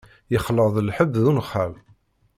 Yexleḍ lḥeb d unexxal.